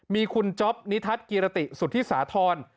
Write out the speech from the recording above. มีคุณจ๊อปนิทัศน์กิรติสุธิสาธร